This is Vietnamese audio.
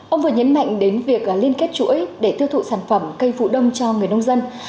ông vừa nhấn mạnh đến việc liên kết chuỗi để tiêu thụ sản phẩm cây phụ đông cho người nông dân